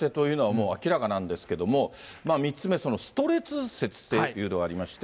もう明らかなんですけども、３つ目、そのストレス説というのがありまして。